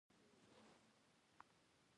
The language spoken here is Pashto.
الف پانګوال غواړي چې ټوله ګټه په جېب کې واچوي